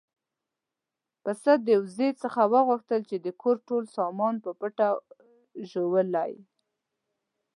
پسه د وزې څخه وغوښتل چې د کور ټول سامان په پټه ژوولی.